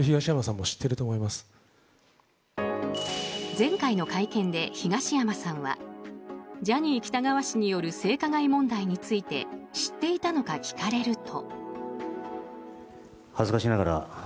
前回の会見で東山さんはジャニー喜多川氏による性加害問題について知っていたのか聞かれると。